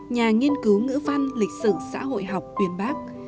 nhà nghiên cứu ngữ văn lịch sử xã hội học tuyên bác